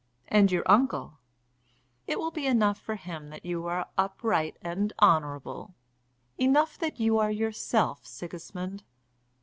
"And your uncle?" "It will be enough for him that you are upright and honourable enough that you are yourself, Sigismund."